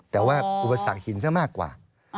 แต่ว่าอุปสรรคหินซะมากกว่า